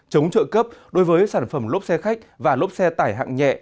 chống trợ cấp đối với sản phẩm lốp xe khách và lốp xe tải hạng nhẹ